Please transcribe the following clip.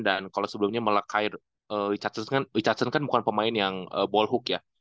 dan kalau sebelumnya melakir richardson kan bukan pemain yang ball hook ya